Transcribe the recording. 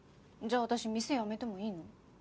じゃあ私店辞めてもいいの？